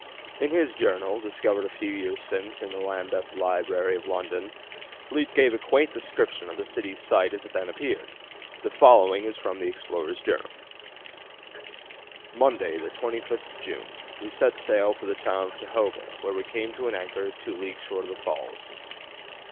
In his journal (discovered a few years since in the Lambeth Library, London) Fleet gave a quaint description of the city's site as it then appeared. The following is from the explorer's journal: "Monday, the 25th June, we set sail for the town of Tohoga, where we came to an anchor 2 leagues short of the falls.